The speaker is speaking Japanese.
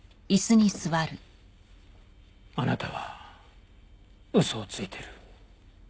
あなたは嘘をついてる。